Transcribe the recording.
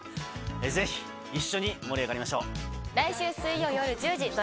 ぜひ一緒に盛り上がりましょう。